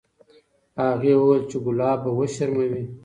هغې وویل چې ګلاب به وشرموي.